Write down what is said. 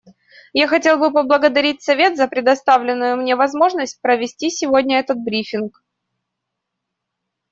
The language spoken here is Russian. Я хотел бы поблагодарить Совет за предоставленную мне возможность провести сегодня этот брифинг.